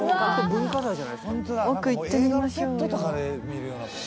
奥行ってみましょうよ。